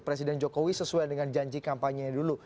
presiden jokowi sesuai dengan janji kampanye dulu